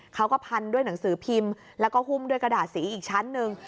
พันด้วยหนังสือพิมพ์แล้วก็หุ้มด้วยกระดาษสีอีกชั้นหนึ่ง